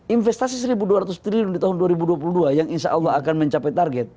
investasi rp satu dua ratus triliun di tahun dua ribu dua puluh dua yang insya allah akan mencapai target